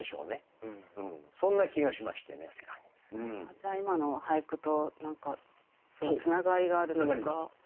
じゃあ今の俳句と何かつながりがあるというか。つながります。